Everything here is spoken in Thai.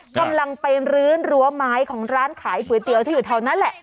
กำลังเป็นรื้นหลัวไม้ของร้านขายผื่อเตี๋ยวที่อยู่เท่านั้นแหละ